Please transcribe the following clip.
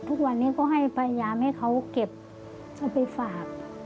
ทุกวันนี้ก็ให้พยายามให้เขาเก็บเอาไปฝาก